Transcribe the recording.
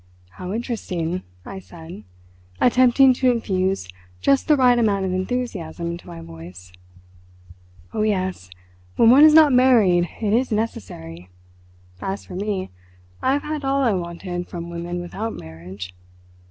"How interesting," I said, attempting to infuse just the right amount of enthusiasm into my voice. "Oh yes—when one is not married it is necessary. As for me, I have had all I wanted from women without marriage."